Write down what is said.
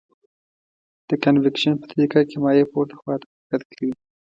د کانویکشن په طریقه کې مایع پورته خواته حرکت کوي.